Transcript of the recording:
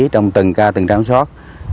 trong từng ca từng đám sót